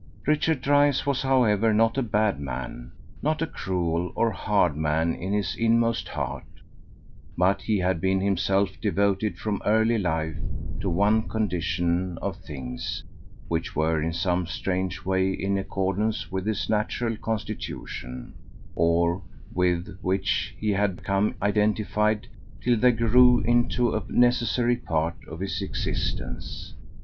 Richard Dryce was, however, not a bad man, not a cruel or a hard man in his inmost heart; but he had been himself devoted from early life to one condition of things, which were in some strange way in accordance with his natural constitution, or with which he had become identified till they grew into a necessary part of his existence.